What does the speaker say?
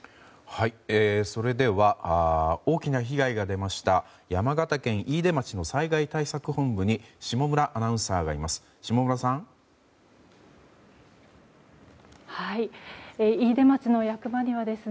それでは大きな被害が出ました山形県飯豊町の災害対策本部に下村アナウンサーがいます。